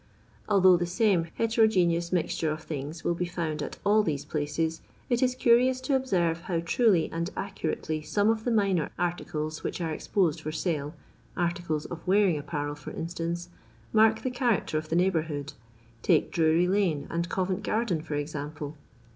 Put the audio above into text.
" Although the nme heterogeneous mixture of things will be found at all these places, it is cnrioua to observe how truly and accurately some of the minor articles which are exposed for sole — articles of weariog apparel, fur instance — mark the character of the neighbourhood. Take Drury lane and GoTent garden for example.